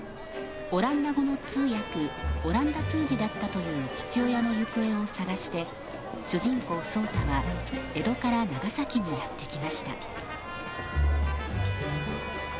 オランダ語の通訳オランダ通詞だったという父親の行方を捜して主人公壮多は江戸から長崎にやって来ました。